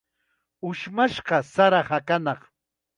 Ushmashqa sara hakanaq.